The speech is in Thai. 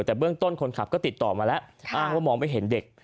แต่เบื้องต้นคนขับก็ติดต่อมาแล้วอ้างว่ามองไม่เห็นเด็ก